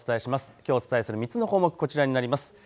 きょうお伝えする３つの項目、こちらになります。